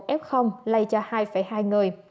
ếp không lây cho hai hai người